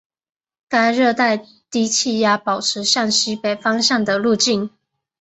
该热带低气压保持向西北方向的路径。